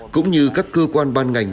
cũng như các cơ quan ban ngành